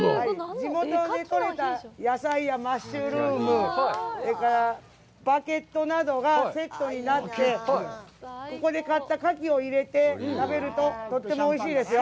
地元で取れた野菜やマッシュルーム、それからバケットなどがセットになって、ここで買ったカキを入れて食べるととってもおいしいですよ。